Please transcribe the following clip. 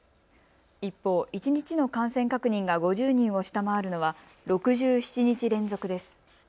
一方、一日の感染確認が５０人を下回るのは６７日連続です。